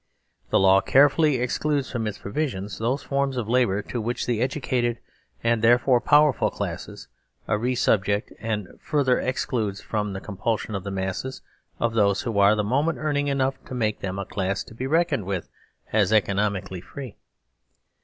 Thelawcarefullyexcludes from itsprovisionsthose 164 SERVILE STATE HAS BEGUN forms of labour to which the educated and therefore powerful classesaresubject, andfurtherexcludesfrom compulsion the mass of those who are forthemoment earning enough to make them a class to be reckoned with as economically free.